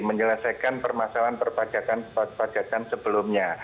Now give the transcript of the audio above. menyelesaikan permasalahan perpajakan sebelumnya